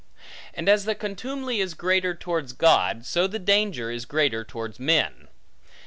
And as the contumely is greater towards God, so the danger is greater towards men.